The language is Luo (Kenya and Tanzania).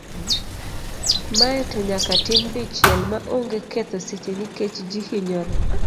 Mae to nyaka tim dichiel ma onge ketho seche nikech ji hinyore.